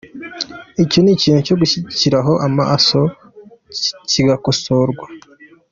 Icyo ni ikintu cyo gushyiraho amaso kigakosorwa.